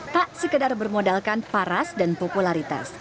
tak sekedar bermodalkan paras dan popularitas